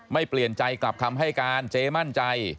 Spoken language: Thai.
เปลี่ยนใจกลับคำให้การเจ๊มั่นใจ